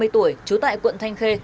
năm mươi tuổi trú tại quận thanh khê